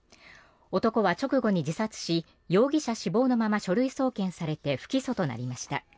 男は直後に自殺し容疑者死亡のまま書類送検されて不起訴となりました。